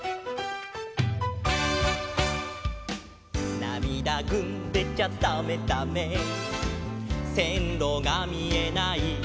「なみだぐんでちゃだめだめ」「せんろがみえない」